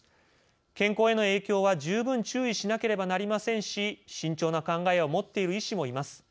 健康への影響は十分注意しなければなりませんし慎重な考えを持っている医師もいます。